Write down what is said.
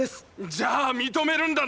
じゃあ認めるんだな